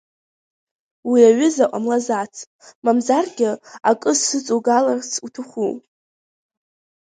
Уи аҩыза ҟамлазац, мамзаргьы акы сыҵаугаларц уҭаху?